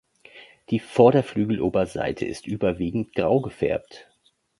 Die Vorderflügeloberseite ist überwiegend grau gefärbt.